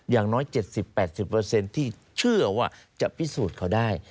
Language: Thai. อย่างน้อย๗๐๘๐ที่เชื่อว่าจะพิสูจน์เขาได้